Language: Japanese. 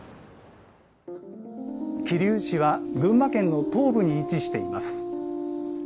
桐生市は群馬県の東部に位置しています。